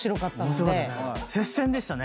接戦でしたね。